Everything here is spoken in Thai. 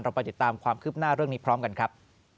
ไปติดตามความคืบหน้าเรื่องนี้พร้อมกันครับ